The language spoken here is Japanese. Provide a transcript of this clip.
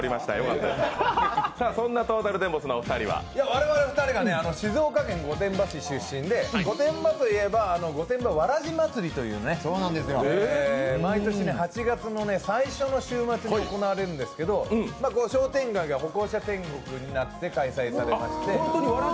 我々２人は静岡県御殿場市の出身で、御殿場といえば御殿場わらじ祭りというね毎年８月の最初の週末に行われるんですけど商店街が歩行者天国になって開催されまして。